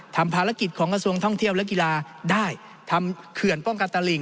ทำภารกิจของกระทรวงท่องเที่ยวและกีฬาได้ทำเขื่อนป้องกันตลิ่ง